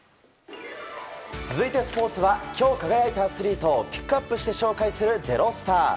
続いて、スポーツは今日輝いたアスリートをピックアップして紹介する「＃ｚｅｒｏｓｔａｒ」。